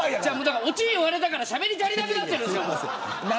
オチ言われたからしゃべり足りなくなっている。